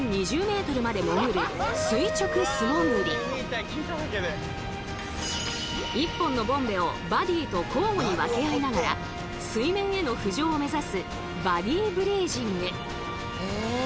さらに１本のボンベをバディと交互に分け合いながら水面への浮上を目指すバディブリージング。